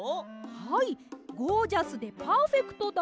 はいゴージャスでパーフェクトだって。